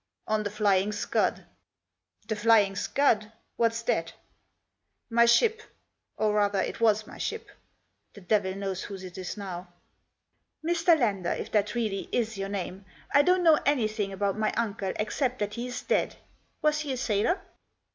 "" On the Flying Scud? " The Flying Scud ? What's that ?"" My ship. Or, rather, it was my ship. The devil knows whose it is now." " Mr. Lander, if that really is your name, I don't know anything about my uncle, except that he is dead. Was he a sailor